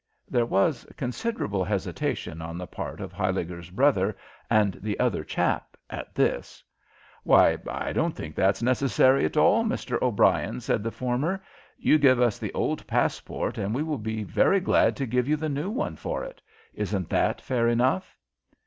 There was considerable hesitation on the part of Huyliger's brother and the other chap at this. "Why, I don't think that's necessary at all, Mr. O'Brien," said the former. "You give us the old passport and we will be very glad to give you the new one for it. Isn't that fair enough?"